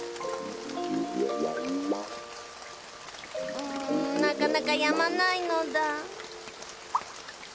うんなかなかやまないのだ。